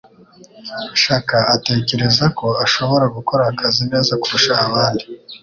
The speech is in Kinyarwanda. Shaka atekereza ko ashobora gukora akazi neza kurusha abandi.